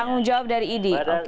tangan jawab dari id